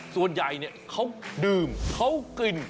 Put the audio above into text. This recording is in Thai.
ส่วนใหญ่เขาดื่มเขากลิ่น